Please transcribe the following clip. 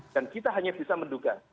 dan kita hanya bisa menduga